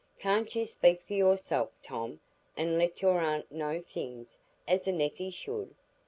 Can't you speak for yourself, Tom, and let your aunt know things, as a nephey should?"